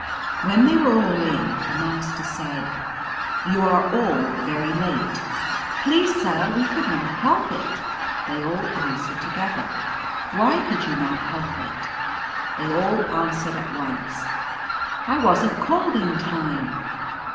When they were all in the Master said — <c You are all very late^' " Please, sir, we could not help it," they all answered together. " Why could you not help it ?" They all answered at once —" I wasn't called in time."